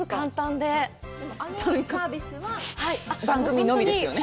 でも、あのサービスは番組のみですよね。